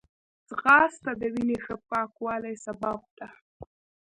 ځغاسته د وینې ښه پاکوالي سبب ده